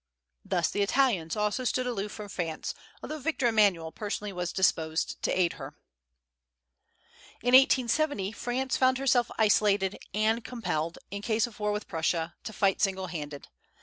Thus the Italians also stood aloof from France, although Victor Emmanuel personally was disposed to aid her. In 1870 France found herself isolated, and compelled, in case of war with Prussia, to fight single handed.